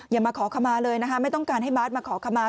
อย่ามาขอคำมาเลยนะคะไม่ต้องการให้บาสมาขอคำมา